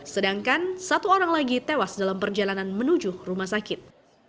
sedangkan satu orang lagi tewas dalam perjalanan menuju rumah sakit